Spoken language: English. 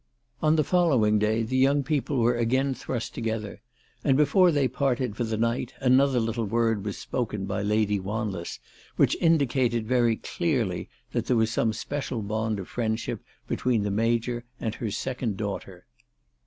On the following day the young people were again thrust together, and before they parted for the night another little word was spoken by Lady Wanless which indicated very clearly th&t there was some special bond of friendship between the Major and her second daughter.